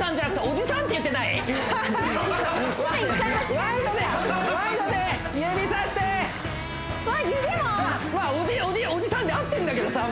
おじさんで合ってんだけどさ